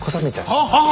ああ！